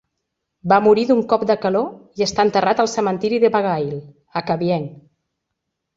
Va morir d'un cop de calor i està enterrat al cementiri de Bagail, a Kavieng.